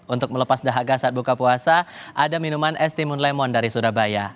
untuk melepas dahaga saat buka puasa ada minuman es timun lemon dari surabaya